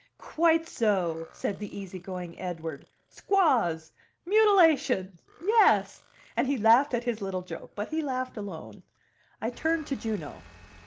"Quite so!" said the easy going Edward "Squaws! Mutilation! Yes!" and he laughed at his little joke, but he laughed alone. I turned to Juno.